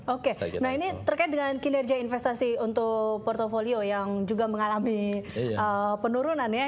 oke nah ini terkait dengan kinerja investasi untuk portfolio yang juga mengalami penurunan ya